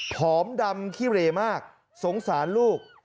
อมดำขี้เรมากสงสารลูก